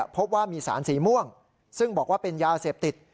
พบว่ามีสารสีม่วงซึ่งบอกว่าเป็นยาเสพติด